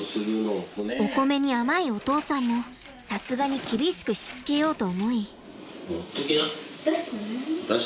おこめに甘いお父さんもさすがに厳しくしつけようと思い。